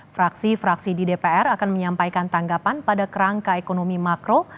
fraksi fraksi di dpr akan menyampaikan tanggapan pada kerangka ekonomi makro